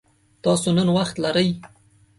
تاسو نن وخت لری؟